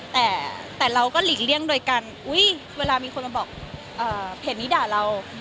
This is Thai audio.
แต่เราก็หลีกเลี่ยงโดยการอุ๊ยเวลามีคนมาบอกเพจนี้ด่าเรา